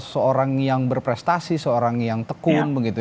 seorang yang berprestasi seorang yang tekun begitu